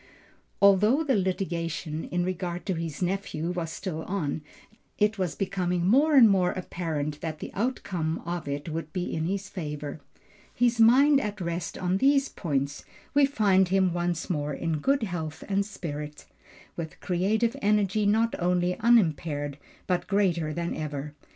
Although the litigation, in regard to his nephew was still on, it was becoming more and more apparent that the outcome of it would be in his favor. His mind at rest on these points, we find him once more in good health and spirits, with creative energy not only unimpaired but greater than ever.